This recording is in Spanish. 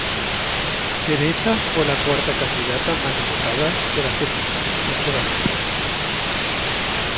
Teresa fue la cuarta candidata más votada de la circunscripción de Valencia.